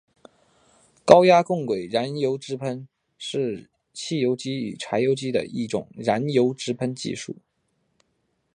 高压共轨燃油直喷是汽油机与柴油机的一种燃油直喷技术。